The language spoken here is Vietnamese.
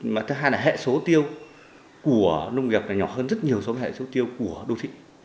mà thứ hai là hệ số tiêu của nông nghiệp là nhỏ hơn rất nhiều so với hệ số tiêu của đô thị